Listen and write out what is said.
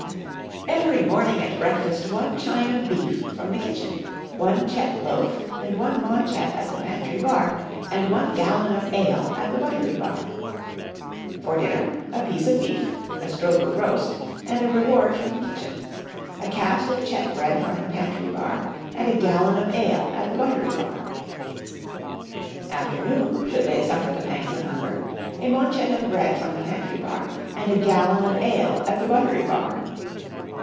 Every morning at breakfast one chyne of beef from the kitchen, one chete loaf and one maunchet at the pantry bar, and one gallon of ale at the buttery bar. For dinner a piece of beef, a stroke of roast and a reward from the kitchen. A caste of chete bread from the pantry bar, and a gallon of ale at the buttery bar. Afternoon should they suffer the pangs of hunger a maunchet of bread from the pantry bar, and a gallon of ale at the buttery bar.